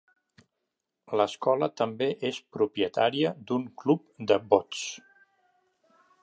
L'escola també és propietària d'un club de bots.